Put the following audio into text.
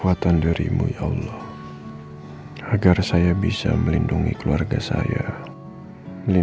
sepuluh beli sampai selesai lagi